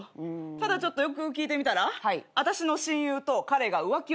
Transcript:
ただちょっとよくよく聞いてみたらあたしの親友と彼が浮気をしていた。